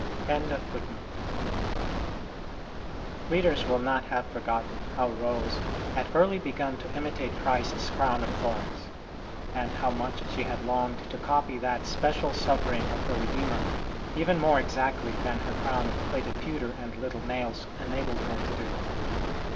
136 ST. ROSE OF LIMA early begun to imitate Christ s Crown of Thorns, and how much she had longed to copy that special suffering of her Redeemer even more exactly than her crown of plaited pewter and little nails enabled her to do.